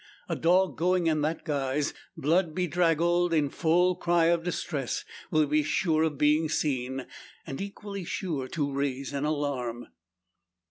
A dog going in that guise, blood bedraggled, in full cry of distress, will be sure of being seen equally sure to raise an alarm.